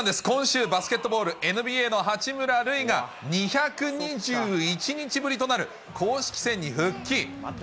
今週、バスケットボールＮＢＡの八村塁が、２２１日ぶりとなる公式戦に復帰。